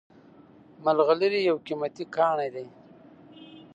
ملغلرې یو قیمتي کاڼی دی